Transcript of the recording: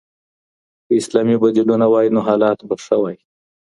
که اسلامي بدیلونه وای نو حالات به ښه وو.